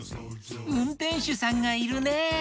うんてんしゅさんがいるね。